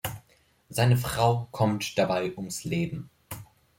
Seine Frau kommt dabei ums Leben.